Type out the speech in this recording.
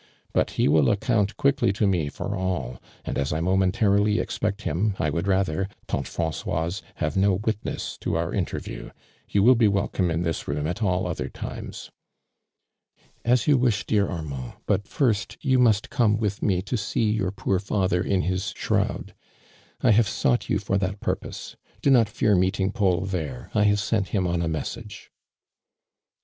But he will account quickly to me for all, and as I momentarily expect him, I would rather, ianie Francoise, have no witness to our interview. You wil 1 be welcome in this room at all other times." "As you wish, dear Ai mand, but, first, you must come with me to see your poor father in his shroud. I have sought you for that purpose. Do not fear meeting Paul there, I have sent him on a message.''